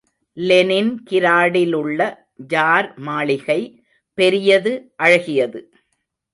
Lenin கிராடிலுள்ள tsar மாளிகை பெரியது அழகியது.